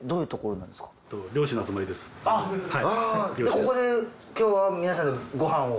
ここで今日は皆さんでご飯を。